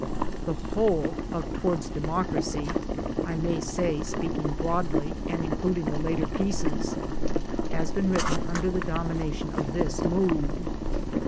The whole of "Towards Democracy "—I may say, speaking broadly and including the later pieces — has been written under the 5 H Towards Democracy domination of this mood.